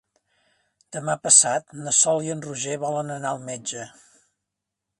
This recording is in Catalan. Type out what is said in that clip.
Demà passat na Sol i en Roger volen anar al metge.